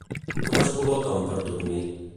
Com es col·loquen per dormir?